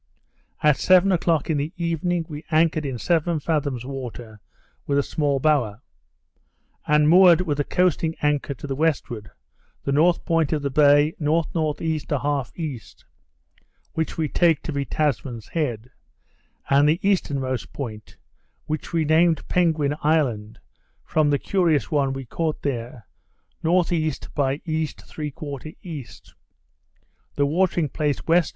At seven o'clock in the evening, we anchored in seven fathoms water, with a small bower, and moored with the coasting anchor to the westward, the north point of the bay N.N.E. 1/2 E. (which we take to be Tasman's Head), and the easternmost point (which we named Penguin Island, from a curious one we caught there) N.E. by E 3/4 E.; the watering place W.